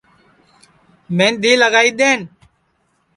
مہندی لگائی دؔین